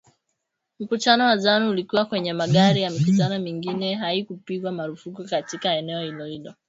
Mkutano wa Zanu ulikuwa kwenye magari na mikutano mingine haikupigwa marufuku katika eneo hilo hilo